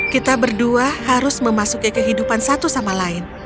kita berdua harus memasuki kehidupan satu sama lain